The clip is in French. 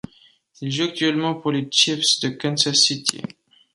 Il joue actuellement pour les Chiefs de Kansas City.